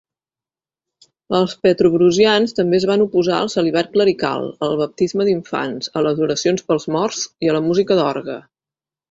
Els petrobrusians també es van oposar al celibat clerical, al baptisme d'infants, a les oracions pels morts i a la música d'orgue.